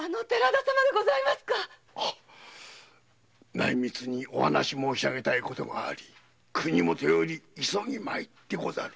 内密にお話申しあげたい事があり国元より急ぎ参ってござる。